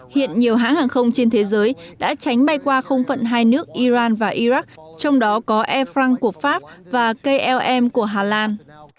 hiện nhiều hãng hàng không trên thế giới đã tránh bay qua không phận hai nước iran và iraq trong đó có air france của pháp và klm của hà lan